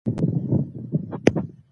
دا څو ورځې کېږي چې د قطر کیسه ډېره ګرمه ده.